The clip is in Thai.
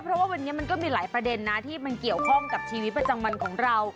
เพราะว่าวันนี้มันก็มีหลายประเด็นนะที่มันเกี่ยวข้องกับชีวิตประจำวันของเรา